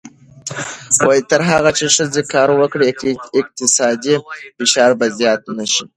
تر هغه چې ښځې کار وکړي، اقتصادي فشار به زیات نه شي.